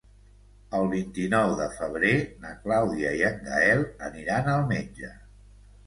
El vint-i-nou de febrer na Clàudia i en Gaël aniran al metge.